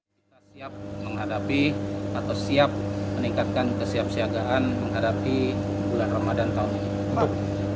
pertama kita siap menghadapi atau siap meningkatkan kesiap siagaan menghadapi bulan ramadan tahun ini